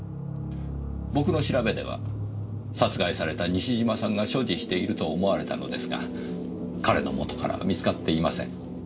僕の調べでは殺害された西島さんが所持していると思われたのですが彼のもとからは見つかっていません。